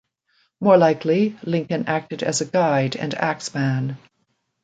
More likely Lincoln acted as a guide and axeman.